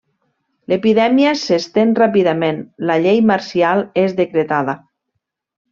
L'epidèmia s'estén ràpidament, la llei marcial és decretada.